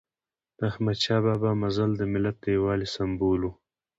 د احمد شاه بابا مزل د ملت د یووالي سمبول و.